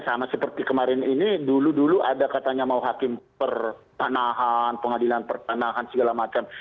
sama seperti kemarin ini dulu dulu ada katanya mau hakim pertanahan pengadilan pertanahan segala macam